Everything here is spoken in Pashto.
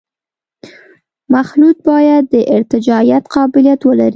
مخلوط باید د ارتجاعیت قابلیت ولري